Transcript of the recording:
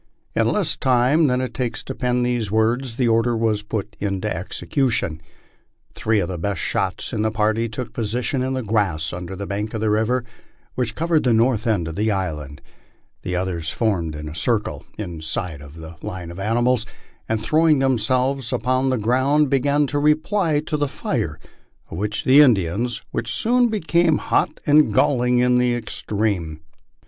In less time than it takes to pen these words, the order was put into execution. Three of the best shots in the party took position in the grass under the bank of the river which covered the north end of the island ; the others formed a circle inside of the line of animals, and throwing themselves upon the ground began to reply to the fire of the Indians, which soon became hot and galling in the extreme.